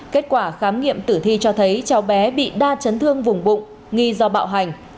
kết quả khám nghiệm tử thi cho thấy cháu bé bị đa chấn thương vùng bụng nghi do bạo hành